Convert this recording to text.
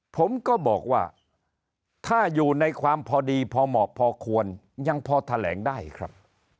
ผมก็บอกว่าถ้าอยู่ในความพอดีพอเหมาะพอควรยังพอแถลงได้ครับ